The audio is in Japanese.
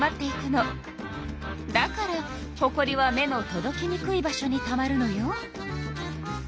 だからほこりは目のとどきにくい場所にたまるのよ。